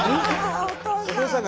お父さん。